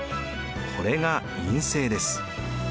これが院政です。